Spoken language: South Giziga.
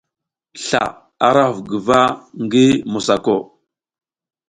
Sla ara huf guva ngi mosako.